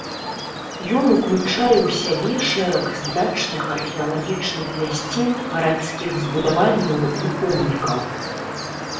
Ён ўключае ў сябе шэраг значных археалагічных мясцін, гарадскіх збудаванняў і помнікаў.